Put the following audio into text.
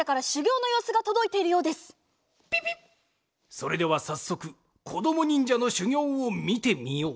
それではさっそくこどもにんじゃのしゅぎょうをみてみよう。